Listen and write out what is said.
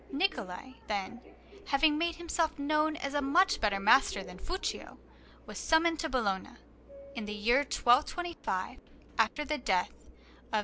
Niccola, then, having made himself known as a much better master than was Fuccio, was summoned to Bologna in the year 1225, after the death of S.